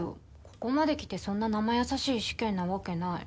ここまできてそんな生易しい試験なわけない。